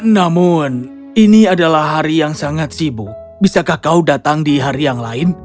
namun ini adalah hari yang sangat sibuk bisakah kau datang di hari yang lain